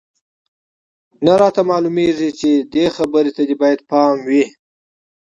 نه راته معلومېږي، دې خبرې ته دې باید پام وي.